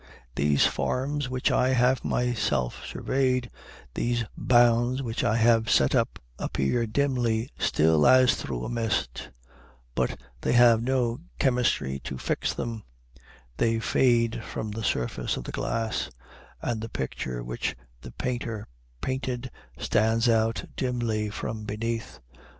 These farms which I have myself surveyed, these bounds which I have set up, appear dimly still as through a mist; but they have no chemistry to fix them; they fade from the surface of the glass; and the picture which the painter painted stands out dimly from beneath.